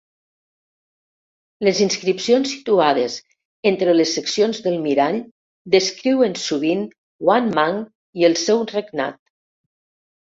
Les inscripcions situades entre les seccions del mirall descriuen sovint Wang Mang i el seu regnat.